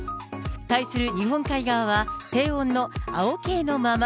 対する日本海側は低温の青系のまま。